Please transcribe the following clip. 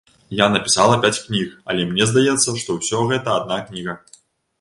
Я напісала пяць кніг, але мне здаецца, што ўсё гэта адна кніга.